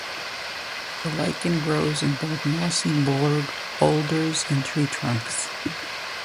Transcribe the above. The lichen grows on both mossy boulders and tree trunks.